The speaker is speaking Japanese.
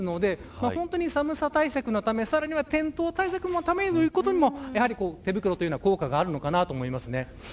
本当に寒さ対策のためさらには転倒対策のためにもやはり手袋は効果があるのかなと思います。